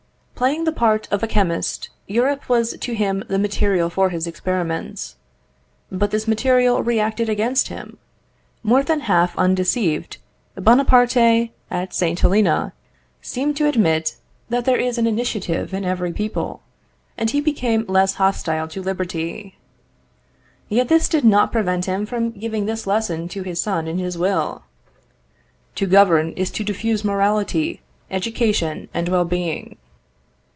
Playing the part of a chemist, Europe was to him the material for his experiments. But this material reacted against him. More than half undeceived, Buonaparte, at St. Helena, seemed to admit that there is an initiative in every people, and he became less hostile to liberty. Yet this did not prevent him from giving this lesson to his son in his will: "To govern, is to diffuse morality, education, and well being."